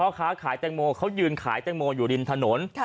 ค้าขายแตงโมเขายืนขายแตงโมอยู่ริมถนน